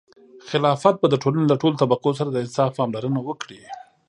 خلافت به د ټولنې له ټولو طبقو سره د انصاف پاملرنه وکړي.